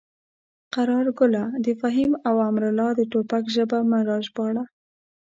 قراره ګله د فهیم او امرالله د ټوپک ژبه مه راژباړه.